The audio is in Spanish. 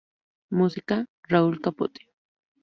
Música: Raúl Capote